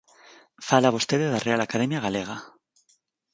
Fala vostede da Real Academia Galega.